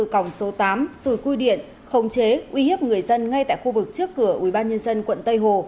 còng số tám rùi cui điện khống chế uy hiếp người dân ngay tại khu vực trước cửa ubnd quận tây hồ